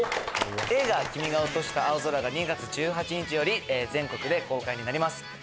映画『君が落とした青空』が２月１８日より全国で公開になります。